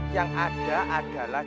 yang ada adalah